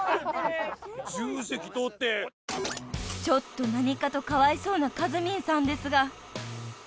［ちょっと何かとかわいそうなかずみんさんですが］